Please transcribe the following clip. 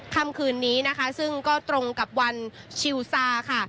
คำคืนนี้นะคะซึ่งก็ตรงกับวันชิลซาค่ะ